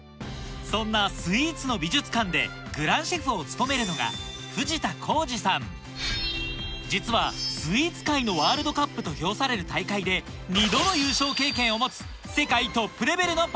そんなスイーツの美術館でグランシェフを務めるのが実はスイーツ界のワールドカップと評される大会で２度の優勝経験を持つ